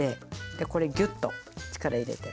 これギュッと力入れてします。